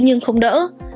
nhưng không đỡ